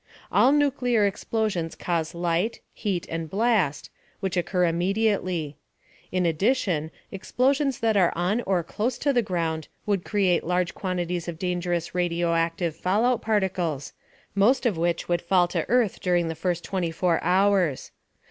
All nuclear explosions cause light, heat and blast, which occur immediately. In addition, explosions that are on or close to the ground would create large quantities of dangerous radioactive fallout particles, most of which would fall to earth during the first 24 hours.